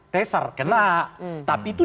tesar kena tapi itu